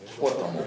もう。